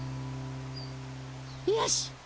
よし！